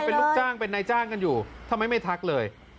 เป็นลูกจ้างเป็นนายจ้างกันอยู่ทำไมไม่ทักเลย